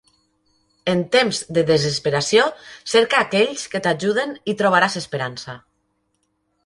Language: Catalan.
En temps de desesperació, cerca aquells que t'ajuden i trobaràs esperança.